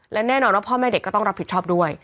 และแน่นอนว่าพ่อแม่เด็กก็ต้องรับผิดชอบด้วย